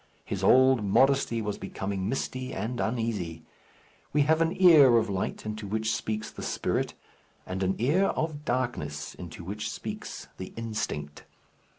His old modesty was becoming misty and uneasy. We have an ear of light, into which speaks the spirit; and an ear of darkness, into which speaks the instinct.